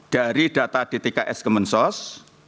dari data dtks kemensos